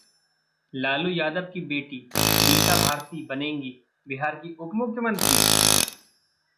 लालू यादव की बेटी मीसा भारती बनेंगी बिहार की उप-मुख्यमंत्री?